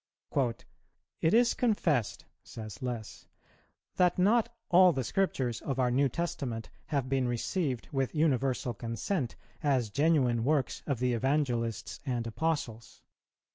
"It is confessed," says Less, "that not all the Scriptures of our New Testament have been received with universal consent as genuine works of the Evangelists and Apostles.